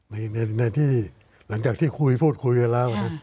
ในที่หลังจากที่คุยพูดคุยกันแล้วนะ